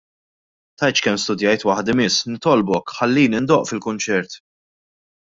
Tgħidx kemm studjajt waħdi, Miss. Nitolbok, ħallini ndoqq fil-kunċert.